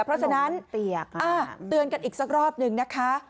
เพราะฉะนั้นเตือนกันอีกสักรอบหนึ่งนะคะ